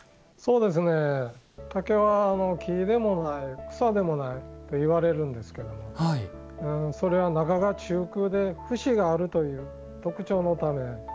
竹は木でもない草でもないといわれるんですけどもそれは中が中空で節があるという特徴のため。